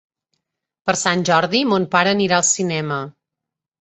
Per Sant Jordi mon pare anirà al cinema.